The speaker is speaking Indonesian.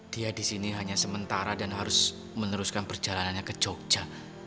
dia di sini hanya sementara dan harus meneruskan perjalanannya ke jogja